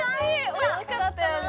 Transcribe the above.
おいしかったよね。